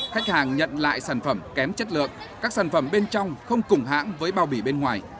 khách hàng nhận lại sản phẩm kém chất lượng các sản phẩm bên trong không củng hãng với bao bì bên ngoài